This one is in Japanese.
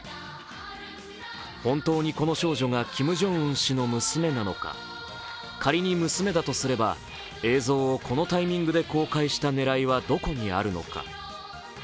本当にこの少女がキム・ジョンウン氏の娘なのか、仮に娘だとすれば、映像をこのタイミングで公開した狙いはどこにあるのか。